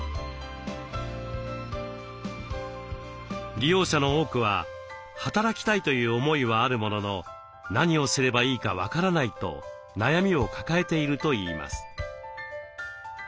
利用者の多くは働きたいという思いはあるものの何をすればいいか分からないと悩みを抱えているといいます。